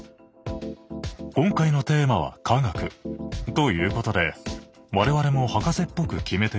今回のテーマは「科学」。ということで我々も博士っぽく決めてみました。